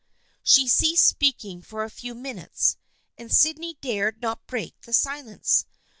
She ceased speaking for a few minutes, and Sydney dared not break the silence.